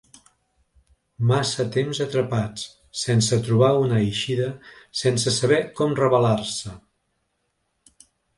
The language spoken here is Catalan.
Massa temps atrapats, sense trobar una eixida, sense saber com rebel·lar-se.